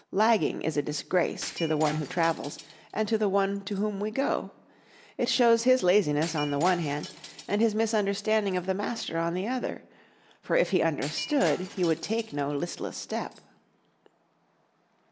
Lagging is a disgrace to the one who travels and to the one to whom we go. It shows his laziness on the one hand, and his misunderstanding of the master on the other; for if he understood he would take no listless step.